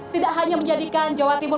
tidak hanya menjadikan jawa timur